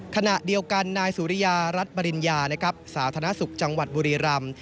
ขณะเดียวกันนายสุริยารัฐบริญญาสาธานาศุกร์จังหวัดบุรีรำ